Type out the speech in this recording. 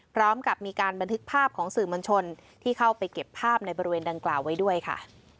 พร้อมกับมีการบันทึกภาพของสื่อมวลชนที่เข้าไปเก็บภาพในบริเวณดังกล่าวไว้ด้วยค่ะ